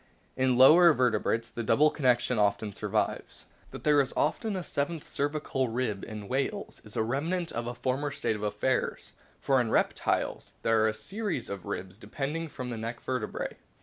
In lower vertebrates the double condition often survives. That there is often a seventh cervical rib in whales is a remnant of a former state of affairs ; for in reptiles there are a series of ribs depending from the neck vertebrae.